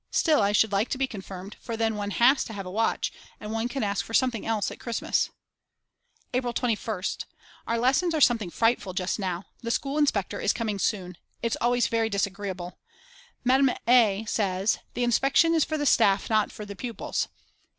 Still I should like to be confirmed, for then one has to have a watch, and one can ask for something else at Christmas. April 21st. Our lessons are something frightful just now. The school inspector is coming soon. It's always very disagreeable. Mme A. says: The inspection is for the staff not for the pupils.